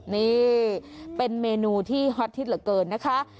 นี่เป็นเมนูที่ฮอตฮิตเหลือเกินนะคะ